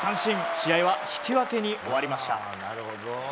試合は引き分けに終わりました。